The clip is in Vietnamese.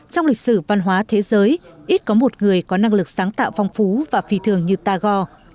trong lịch sử văn hóa thế giới ít có một người có năng lực sáng tạo phong phú và phì thường như tagore